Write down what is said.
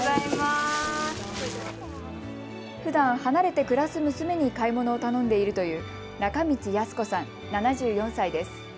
ふだん、離れて暮らす娘に買い物を頼んでいるという中道ヤス子さん、７４歳です。